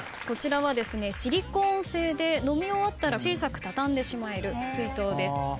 こちらはシリコン製で飲み終わったら小さくたたんでしまえる水筒です。